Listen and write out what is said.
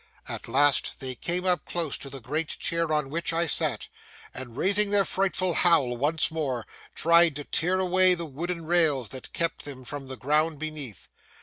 At last they came up close to the great chair on which I sat, and raising their frightful howl once more, tried to tear away the wooden rails that kept them from the ground beneath.